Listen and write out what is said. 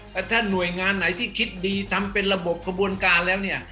แต่ถ้าหน่วยงานไหนที่คิดดีทำเป็นระบบกระบวนการแล้วเนี่ย